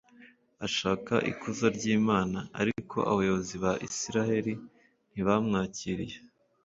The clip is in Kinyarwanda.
ashaka ikuzo ry’imana ; ariko abayobozi ba isiraheli ntibamwakiriye